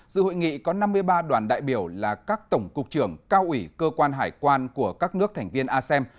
dự hội nghị có năm mươi ba đoàn đại biểu là các tổng cục trưởng cao ủy cơ quan hải quan của các nước thành viên asem